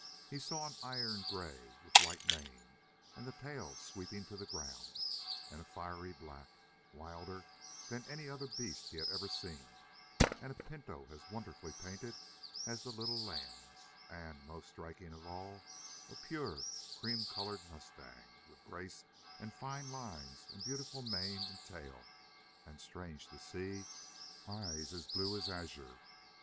He saw an iron gray with white mane and tail sweeping to the ground; and a fiery black, wilder than any other beast he had ever seen; and a pinto as wonderfully painted as the little lambs; and, most striking of all, a pure, cream colored mustang with grace and fine lines and beautiful mane and tail, and, strange to see, eyes as blue as azure.